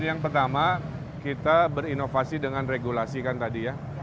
jadi yang pertama kita berinovasi dengan regulasi kan tadi ya